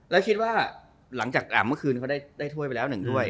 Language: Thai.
แล้วคิดว่าหลังจากเมื่อคืนเขาได้ถ้วยไปแล้วหนึ่งถ้วย